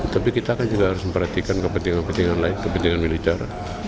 tapi kita kan juga harus memperhatikan kepentingan kepentingan lain kepentingan militer